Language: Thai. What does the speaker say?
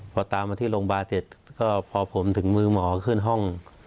พอตามมาที่โรงพยาบาลเสร็จก็พอผมถึงมือหมอขึ้นห้อง